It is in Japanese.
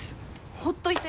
ほっといて。